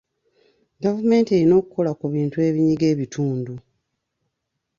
Gavumenti erina okukola ku bintu ebinyiga ebitundu.